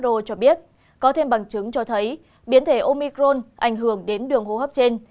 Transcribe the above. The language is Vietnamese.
thế giới who cho biết có thêm bằng chứng cho thấy biến thể omicron ảnh hưởng đến đường hô hấp trên